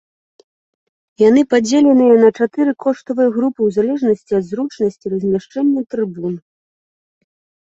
Яны падзеленыя на чатыры коштавыя групы ў залежнасці ад зручнасці размяшчэння трыбун.